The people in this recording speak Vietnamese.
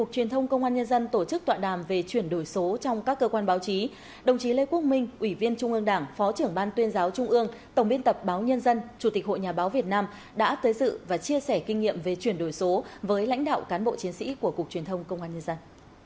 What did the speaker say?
trung tướng nguyễn duy ngọc ủy viên trung ương đảng tổng biên tập báo nhân dân chủ tịch hội nhà báo việt nam đã tới dự và chia sẻ kinh nghiệm về chuyển đổi số với lãnh đạo cán bộ chiến sĩ của cục truyền thông công an nhân dân